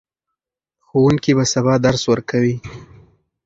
ښوونکي به سبا درس ورکوي.